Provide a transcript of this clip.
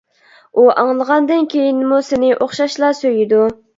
ئۇ ئاڭلىغاندىن كېيىنمۇ سېنى ئوخشاشلا سۆيىدۇ.